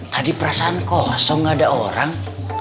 tadi perasaan kosong ada orang